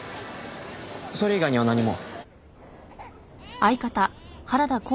それ以外には何も。